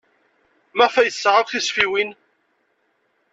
Maɣef ay yessaɣ akk tisfiwin?